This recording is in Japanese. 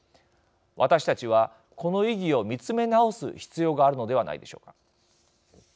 私たちは、この意義を見つめ直す必要があるのではないでしょうか。